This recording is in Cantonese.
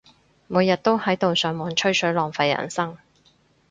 每日都喺度上網吹水，浪費人生